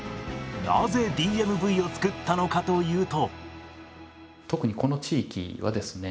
なぜＤＭＶを作ったのかというと。